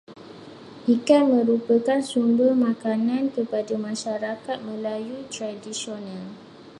Ikan merupakan sumber makanan kepada masyarakat Melayu tradisional.